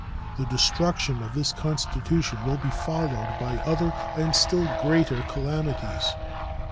The destruction of the Constitution will be followed by other and still greater calamities.